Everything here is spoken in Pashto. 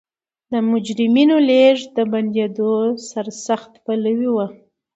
د مجرمینو لېږد د بندېدو سرسخت پلوی و.